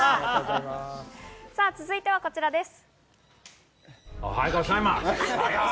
続いてはこちらです。